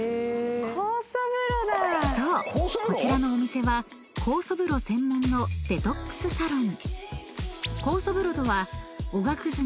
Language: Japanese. ［そうこちらのお店は酵素風呂専門のデトックスサロン］